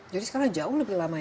jadi sekarang jauh lebih lama